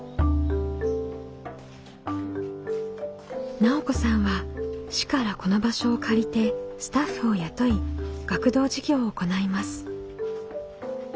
奈緒子さんは市からこの場所を借りてスタッフを雇い学童事業を行います。